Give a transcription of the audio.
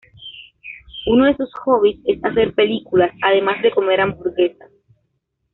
Uno de sus hobbies es hacer películas, además de comer hamburguesas.